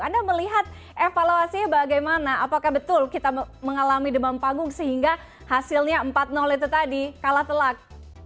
anda melihat evaluasinya bagaimana apakah betul kita mengalami demam panggung sehingga hasilnya empat itu tadi kalah telak